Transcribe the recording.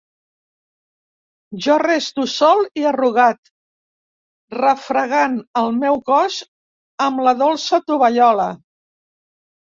Jo resto sol i arrugat, refregant el meu cos amb la dolça tovallola.